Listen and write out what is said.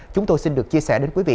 chúng tôi xin được chia sẻ đến quý vị